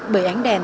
bởi ánh đèn